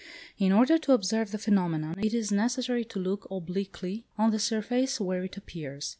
In order to observe the phenomenon it is necessary to look obliquely on the surface where it appears.